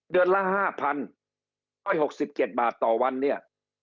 เดือนละ๕๑๖๗บาทต่อวันเนี่ย